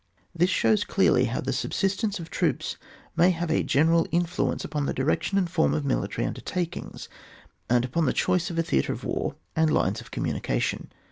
This shows clearly how the subsistence of troops may have a general influence upon the direction and form of military undertakings, and upon the choice of a theatre of war and lines of communi cation.